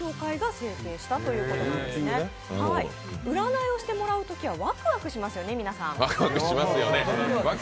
占いをしてもらうときはワクワクしますよね、皆さん？